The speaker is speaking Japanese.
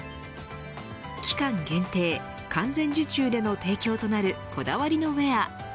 期間限定、完全受注での提供となるこだわりのウエア。